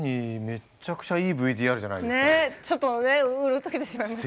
めっちゃくちゃいいＶＴＲじゃないですか。